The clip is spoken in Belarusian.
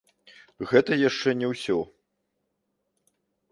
Гэта яшчэ не ўсё!